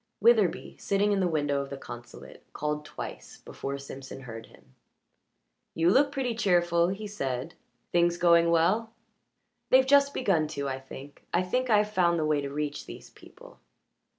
Witherbee, sitting in the window of the consulate, called twice before Simpson heard him. "You look pretty cheerful," he said. "Things going well?" "They've just begun to, I think I think I've found the way to reach these people."